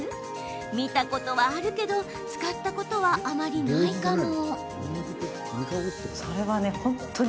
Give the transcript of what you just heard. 見たことはあるけど使ったことは、あまりないかも。